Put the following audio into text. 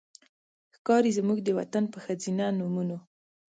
ښکاري زموږ د وطن په ښځېنه نومونو